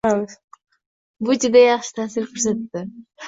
Bu juda yaxshi ta'sir ko'rsatdi